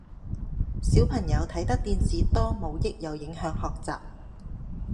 小朋友睇得電視多冇益又影響學習